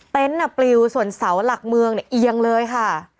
ปลิวส่วนเสาหลักเมืองเนี่ยเอียงเลยค่ะ